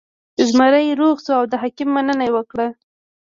زمری روغ شو او د حکیم مننه یې وکړه.